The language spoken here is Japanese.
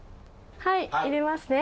はい、入れますね。